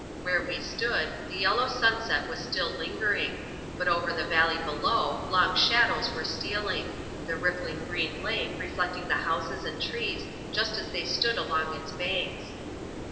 Where we stood, the yellow sunset was still lingering ; but over the valley below, long shadows were stealing — the rippling green lake reflecting the houses and trees just as they stood along its banks.